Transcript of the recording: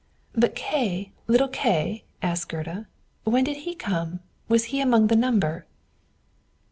'" "But Kay little Kay," asked Gerda, "when did he come? Was he among the number?"